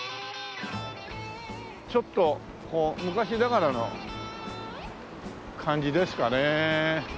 ちょっとこう昔ながらの感じですかね。